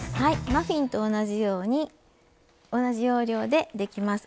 マフィンと同じように同じ要領でできます。